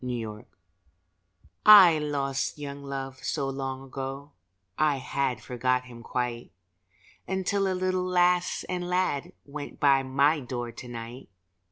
THE RETURN I lost Young Love so long ago I had forgot him quite, Until a little lass and lad Went by my door to night.